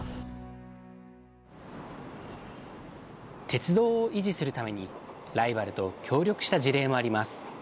鉄道を維持するために、ライバルと協力した事例もあります。